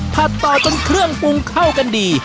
ต่อจนเครื่องปรุงเข้ากันดี